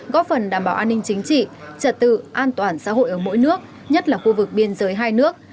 góp phần đảm bảo an ninh chính trị trật tự an toàn xã hội ở mỗi nước nhất là khu vực biên giới hai nước